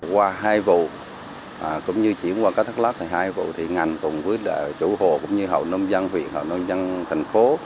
qua hai vụ cũng như chỉ qua các thất lắc hai vụ thì ngành cùng với chủ hồ cũng như hậu nông dân huyện hậu nông dân thành phố